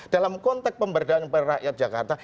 dalam konteks pemberdayaan rakyat jakarta